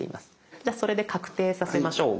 じゃそれで確定させましょう。